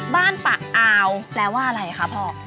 ปะอาวแปลว่าอะไรคะพ่อ